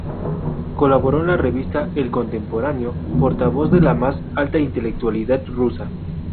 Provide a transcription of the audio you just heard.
Colaboró en la revista "El Contemporáneo", portavoz de la más alta intelectualidad rusa.